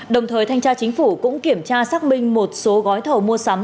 đồng thời thanh tra chính phủ cũng kiểm tra xác minh một số gói thầu mua sắm